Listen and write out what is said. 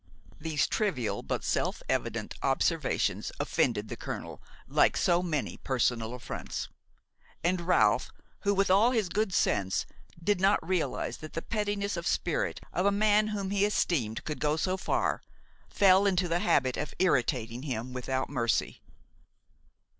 These trivial but self evident observations offended the colonel like so many personal affronts; and Ralph who, with all his good sense, did not realize that the pettiness of spirit of a man whom he esteemed could go so far, fell into the habit of irritating him without mercy.